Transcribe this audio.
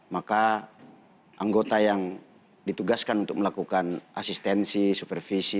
maka anggota yang ditugaskan untuk melakukan asistensi supervisi